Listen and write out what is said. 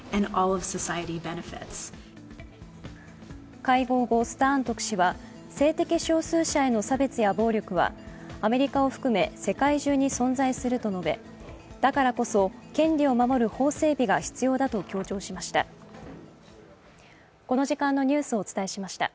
会合後、スターン特使は性的少数者への差別や暴力はアメリカを含め世界中に存在すると述べ、だからこそ権利を守る法整備が必要だと強調しました。